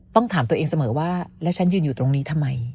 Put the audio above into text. ต้องถามตัวเองเสมอว่าแล้วฉันยืนอยู่ตรงนี้ทำไม